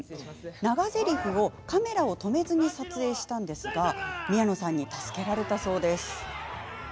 長ぜりふをカメラを止めずに撮影したんですが宮野さんに助けられたそうです。